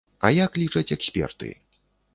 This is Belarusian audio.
А як лічаць эксперты?